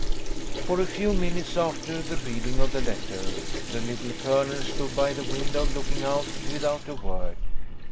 For a few minutes after the reading of the letter, the Little Colonel stood by the window, looking out without a word.